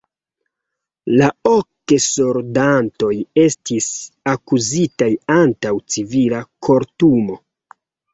La ok soldatoj estis akuzitaj antaŭ civila kortumo.